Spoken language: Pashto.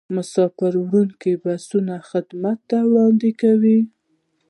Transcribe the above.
مسافروړونکي بسونه خدمات وړاندې کوي